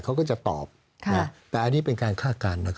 เขาก็จะตอบแต่อันนี้เป็นการคาดการณ์